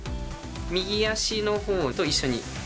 右足のほうと一緒に。